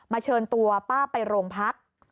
เชิญตัวป้าไปโรงพัก